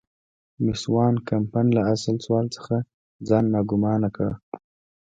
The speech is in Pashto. مېس وان کمپن له اصل سوال څخه ځان ناګومانه کړ.